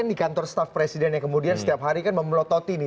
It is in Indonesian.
ini adalah jawab presiden yang kemudian setiap hari kan memelototi nih